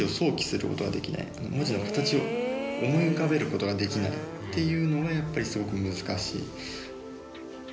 文字の形を思い浮かべることができないっていうのがやっぱりすごく難しい。